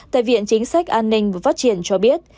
tại viện chính sách an ninh và phát triển cho biết